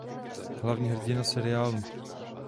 Hlavní hrdina seriálu.